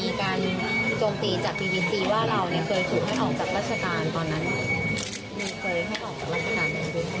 มีเคยให้ออกจากราชการตอนนั้นไหม